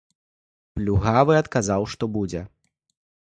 Плюгавы адказаў, што будзе.